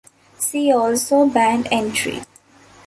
See also Band entry.